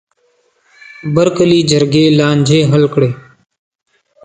بر کلي جرګې لانجې حل کړې.